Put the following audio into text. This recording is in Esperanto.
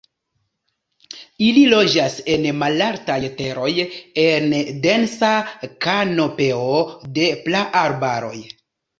Ili loĝas en malaltaj teroj, en densa kanopeo de praarbaroj.